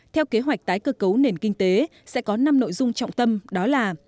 theo kế hoạch tái cơ cấu nền kinh tế sẽ có năm nội dung trọng tâm đó là